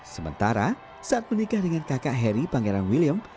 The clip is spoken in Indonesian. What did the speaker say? sementara saat menikah dengan kakak harry pangeran william